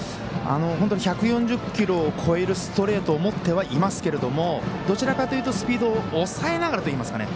１４０キロを超えるストレートを持ってはいますけれどもどちらかというとスピードを抑えながらといいますか。